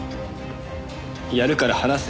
やるから離せ。